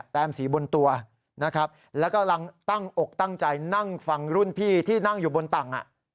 แต้มสีบนตัวแล้วก็ตั้งอกตั้งใจนั่งฟังรุ่นพี่ที่นั่งอยู่บนตั้ง